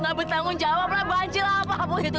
gak bertanggung jawab lah banjir lah apapun itu